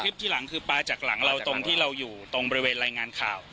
ที่หลังคือปลาจากหลังเราตรงที่เราอยู่ตรงบริเวณรายงานข่าว